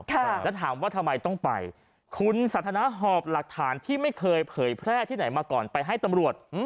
แล้วถามว่าทำไมต้องไปคุณสันทนาหอบหลักฐานที่ไม่เคยเผยแพร่ที่ไหนมาก่อนไปให้ตำรวจ